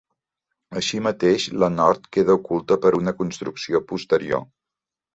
Així mateix, la nord queda oculta per una construcció posterior.